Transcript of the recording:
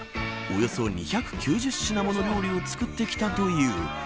およそ２９０品もの料理を作ってきたという。